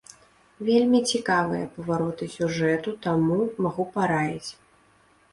Вельмі цікавыя павароты сюжэту, таму, магу параіць.